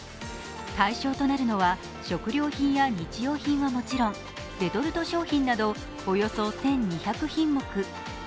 対象となるのは食料品や日用品はもちろんレトルト商品などおよそ１２００品目。